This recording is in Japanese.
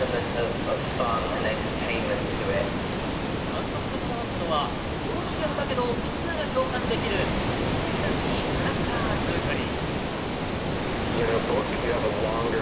監督がこだわったのは殺し屋だけど、みんなが共感できる人間らしいキャラクター作り。